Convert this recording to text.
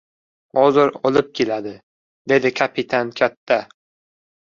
— Hozir olib keladi, — dedi kapitan katta.